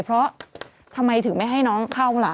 เพราะทำไมถึงไม่ให้น้องเข้าล่ะ